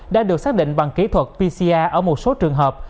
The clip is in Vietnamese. đã được xác định bằng kỹ thuật pcr ở một số trường hợp